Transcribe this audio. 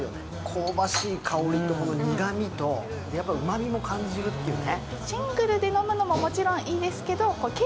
香ばしい香りと苦みとやっぱり、うまみも感じるっていうね。